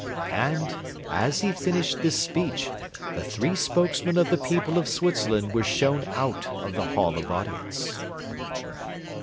And, as he finished this speech, the three spokesmen of the people of Switzerland were shown out of the Hall of Audience.